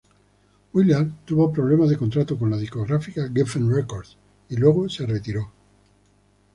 Willard tuvo problemas de contrato con la discográfica Geffen Records y luego se retiró.